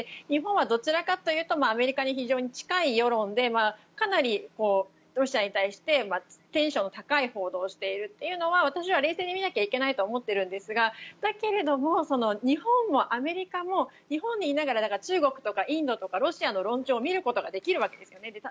日本はどちらかというとアメリカに非常に近い世論でかなりロシアに対してテンションの高い報道をしているというのは私は冷静に見なきゃいけないと思っているんですがだけれども、日本もアメリカも日本にいながら中国とかインドとかロシアの論調を見ることができるわけですね。